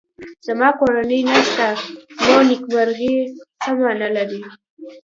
زما کورنۍ نشته نو نېکمرغي څه مانا لري